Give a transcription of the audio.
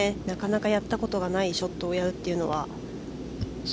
なかなかやったことのないショットをやるっていうのは。